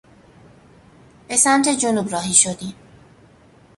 به سمت جنوب راهی شدیم.